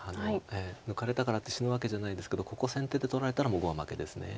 抜かれたからって死ぬわけじゃないですけどここ先手で取られたらもう碁は負けです。